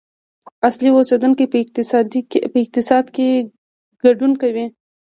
اصلي اوسیدونکي په اقتصاد کې ګډون کوي.